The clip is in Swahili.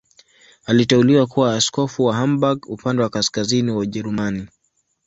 Aliteuliwa kuwa askofu wa Hamburg, upande wa kaskazini wa Ujerumani.